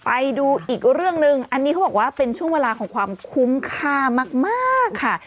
ไปดูอีกเรื่องหนึ่งอันนี้เขาบอกว่าเป็นช่วงเวลาของความคุ้มค่ามากค่ะ